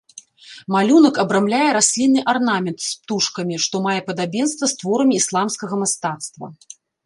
Малюнак абрамляе раслінны арнамент з птушкамі, што мае падабенства з творамі ісламскага мастацтва.